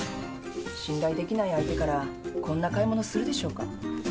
信頼できない相手からこんな買い物するでしょうか？